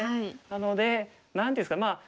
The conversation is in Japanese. なので何て言うんですか。